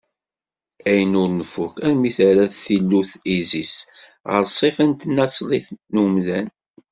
Ayen ur nfukk armi t-terra tillut Izis ɣer ṣṣifa-s tanaṣlit n wemdan.